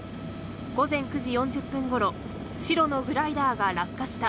午前９時４０分ごろ、白のグライダーが落下した。